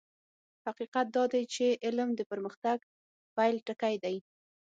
حقيقت دا دی چې علم د پرمختګ پيل ټکی دی.